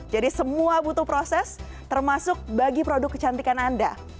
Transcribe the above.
jadi semua butuh proses termasuk bagi produk kecantikan anda